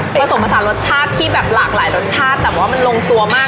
ผสมผสานรสชาติที่แบบหลากหลายรสชาติแต่ว่ามันลงตัวมาก